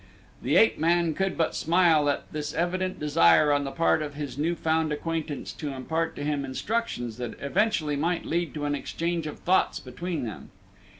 The ape man could but smile at this evident desire upon the part of his new found acquaintance to impart to him instructions that eventually might lead to an exchange of thoughts between them.